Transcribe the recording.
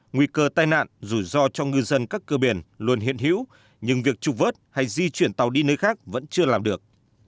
nguy cơ tai nạn rủi ro cho ngư dân các cơ biển luôn hiện hữu nhưng việc trục vớt hay di chuyển tàu đi nơi khác vẫn chưa làm được